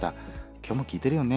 今日も聴いてるよね？